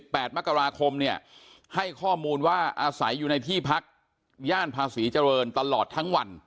และที่๑๗๑๘มกราคมให้ข้อมูลว่าอาศัยอยู่ในที่พักย่านพาสีเจริญตลอดทั้งวัน